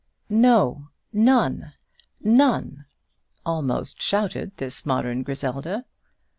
"No, none none!" almost shouted this modern Griselda.